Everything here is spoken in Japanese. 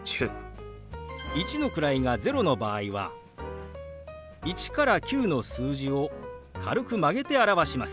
１の位が０の場合は１から９の数字を軽く曲げて表します。